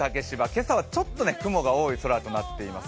今朝はちょっと雲が多い空となっています。